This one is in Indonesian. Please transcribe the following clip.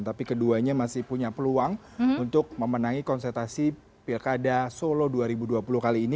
tapi keduanya masih punya peluang untuk memenangi konsentrasi pilkada solo dua ribu dua puluh kali ini